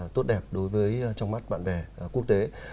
tốt đẹp đối với trong mắt bạn bè quốc tế